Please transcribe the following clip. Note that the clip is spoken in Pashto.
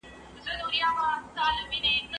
ده مینې لار واخله یقین به شې، ایمان به شې.